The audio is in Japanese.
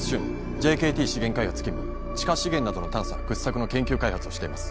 ＪＫＴ資源開発勤務地下資源などの探査掘削の研究開発をしています